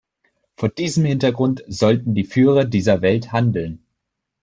Vor diesem Hintergrund sollten die Führer dieser Welt handeln.